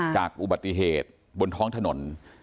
จากอุบัติเหตุบนท้องถนน